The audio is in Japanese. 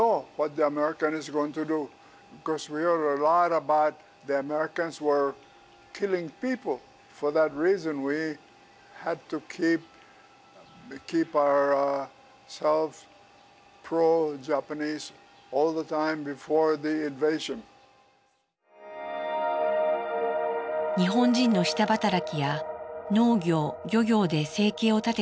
日本人の下働きや農業・漁業で生計を立てていた先住民の人々。